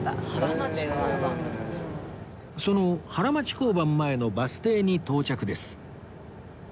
その原町交番前のバス停に到着です